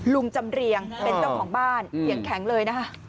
ลุงจำเรียงเป็นเจ้าของบ้านเสียงแข็งเลยนะคะ